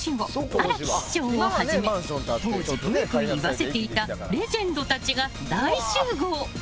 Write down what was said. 荒木師匠をはじめ当時、ブイブイ言わせていたレジェンドたちが大集合。